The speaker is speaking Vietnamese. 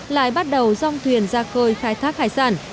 lại bắt đầu rong thuyền ra khơi khai thác hải sản